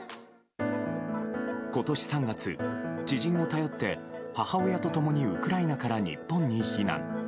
今年３月、知人を頼って母親と共にウクライナから日本に避難。